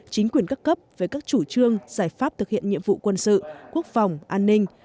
chính quyền các cấp về các chủ trương giải pháp thực hiện nhiệm vụ quân sự quốc phòng an ninh